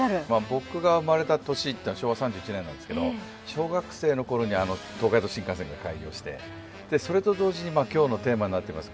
僕が生まれた年というのは昭和３１年なんですけど小学生の頃に東海道新幹線が開業してそれと同時に今日のテーマになっています